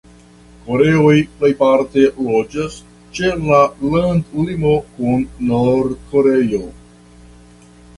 Koreoj plejparte loĝas ĉe la landlimo kun Nord-Koreio.